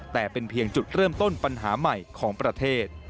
แต่เป็นเพียงจุดเริ่มต้นปัญหาใหม่ของประเทศ